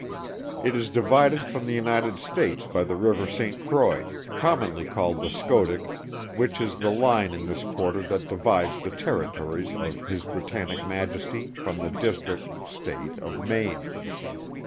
It is divided from the United States by the river St. Croix, commonly called the Schoodick, which is the line in this quarter that divides the territories of His Britannic Majesty from the District (State) of Maine.